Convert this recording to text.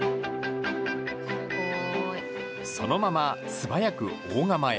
そのまま素早く大釜へ。